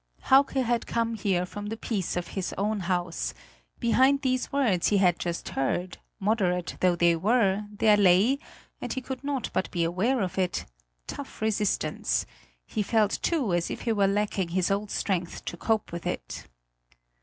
Hauke had come here from the peace of his own house; behind these words he had just heard, moderate though they were, there lay and he could not but be aware of it tough resistance; he felt, too, as if he were lacking his old strength to cope with it.